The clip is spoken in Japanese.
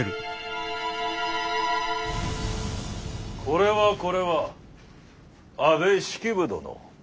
これはこれは安部式部殿。